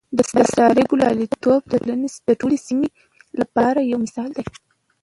د سارې ګلالتوب د ټولې سیمې لپاره یو مثال دی.